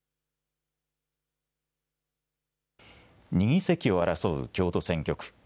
２議席を争う京都選挙区。